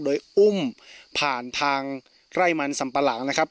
โดยอุ้มผ่านทางไร่มันสัมปะหลังนะครับ